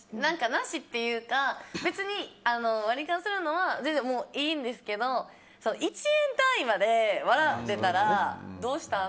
なしっていうか別に割り勘するのはいいんですけど１円単位まで割られたらどうしたん？